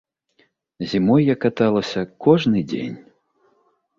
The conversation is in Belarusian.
Зімой я каталася кожны дзень.